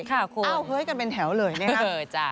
ค่ะคุณเอาเฮ้ยกันเป็นแถวเลยนะครับ